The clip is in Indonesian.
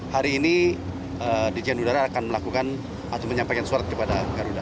hari ini dirjen udara akan melakukan atau menyampaikan surat kepada garuda